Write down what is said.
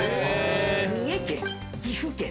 三重県岐阜県。